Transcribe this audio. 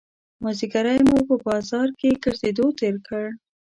مازیګری مو په بازار کې ګرځېدو تېر کړ.